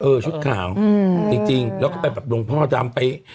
เออชุดข่าวจริงเราก็ไปแบบโรงพอดำไป